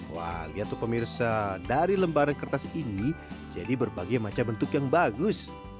wah lihat tuh pemirsa dari lembaran kertas ini jadi berbagai macam bentuk yang bagus